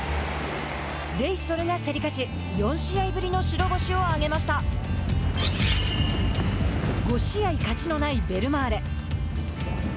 レイソルが競り勝ち５試合勝ちのないベルマーレ。